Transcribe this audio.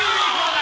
だ！